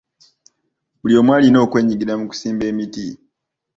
Buli omu alina okwenyigira mu kusimba emiti.